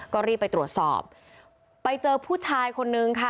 ก็รีบไปตรวจสอบไปเจอผู้ชายคนนึงค่ะ